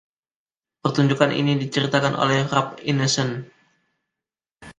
Pertunjukan ini diceritakan oleh Ralph Ineson.